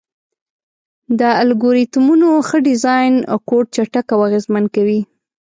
د الګوریتمونو ښه ډیزاین کوډ چټک او اغېزمن کوي.